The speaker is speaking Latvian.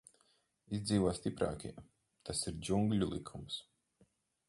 Izdzīvo stiprākie, tas ir džungļu likums.